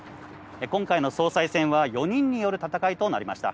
今回の総裁選は４人による戦いとなりました。